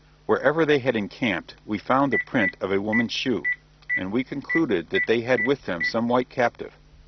Wherever they had encamped we found the print of a woman's shoe, and we concluded that they had with them some white captive.